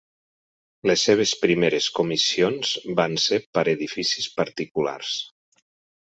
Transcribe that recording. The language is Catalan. Les seves primeres comissions van ser per edificis particulars.